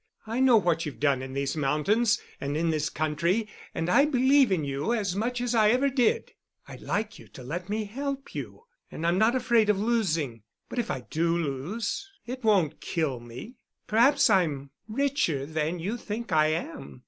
I know what you've done in these mountains and in this country, and I believe in you as much as I ever did. I'd like you to let me help you, and I'm not afraid of losing—but if I do lose, it won't kill me. Perhaps I'm richer than you think I am.